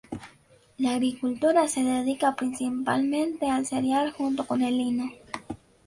La agricultura se dedica principalmente al cereal, junto con el lino.